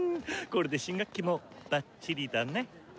これで新学期もバッチリだね！